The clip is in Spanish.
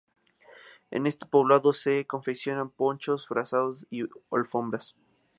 En este poblado se confeccionan ponchos, frazadas y alfombras.